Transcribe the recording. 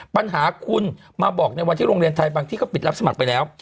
ปัญหาคุณมาบอกในวันที่โรงเรียนไทยบางที่ก็ปิดรับสมัครไปแล้ว